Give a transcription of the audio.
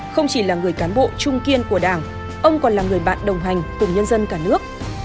không chỉ là người cán bộ trung kiên của đảng ông còn là người bạn đồng hành cùng nhân dân cả nước